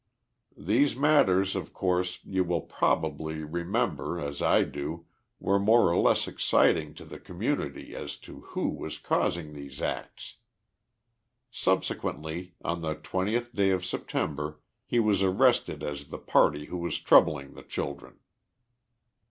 These matters, of course, you will, probably, remember, as I do, were more or less exciting to the community as to who was causing these acts. Subsequently, on the 20th day of September, he was arrested as the party who was troubling the children."